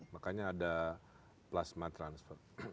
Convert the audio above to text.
makanya ada plasma transfer